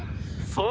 そう。